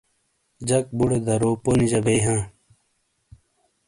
جک بُوڑے درو پونیجا بیئی ہاں۔